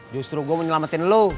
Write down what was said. justru gue mau nyelamatin lo